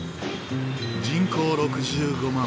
人口６５万。